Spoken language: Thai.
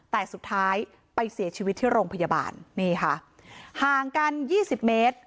แต่สุดท้ายไปเสียชีวิตที่โรงพยาบาลนี่ค่ะห่างกันยี่สิบเมตร